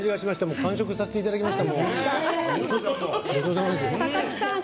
完食させていただきました。